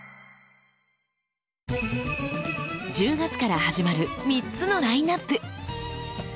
１０月から始まる３つのラインナップ。